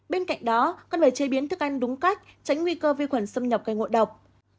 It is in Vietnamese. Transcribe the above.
bên cạnh đó cần phải chế biến thức ăn đúng cách tránh nguy cơ vi khuẩn xâm nhập gây ngộ độc